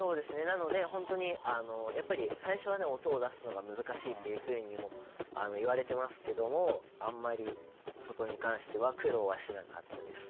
なので本当にやっぱり最初はね音を出すのが難しいっていうふうにも言われてますけどもあんまりそこに関しては苦労はしなかったです。